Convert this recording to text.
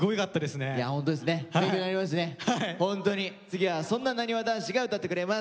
次はそんななにわ男子が歌ってくれます。